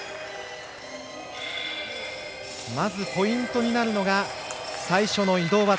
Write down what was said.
まずポイントになるのが最初の移動技。